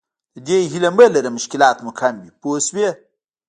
د دې هیله مه لره مشکلات مو کم وي پوه شوې!.